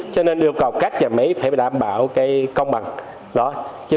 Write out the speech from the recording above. cho nên yêu cầu các nhà máy phải đảm bảo công bằng